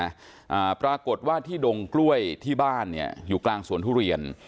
อ่าปรากฏว่าที่ดงกล้วยที่บ้านเนี่ยอยู่กลางสวนทุเรียน